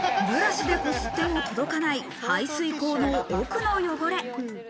ブラシで擦っても届かない排水口の奥の汚れ。